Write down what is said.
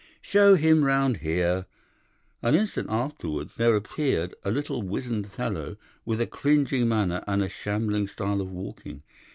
"'Show him round here.' An instant afterwards there appeared a little wizened fellow with a cringing manner and a shambling style of walking.